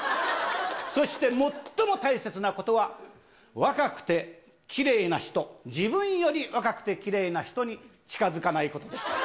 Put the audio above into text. そして最も大切なことは、若くてきれいな人、自分より若くてきれいな人に近づかないことです。